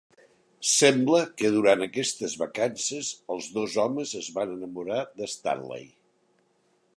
Sembla que durant aquestes vacances, els dos homes es van enamorar de Stanley.